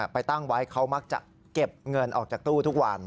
ไปตั้งไว้เขามักจะเก็บเงินออกจากตู้ทุกวัน